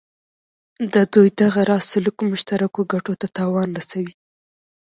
د دوی دغه راز سلوک مشترکو ګټو ته تاوان رسوي.